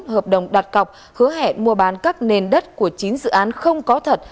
hợp đồng đặt cọc hứa hẹn mua bán các nền đất của chín dự án không có thật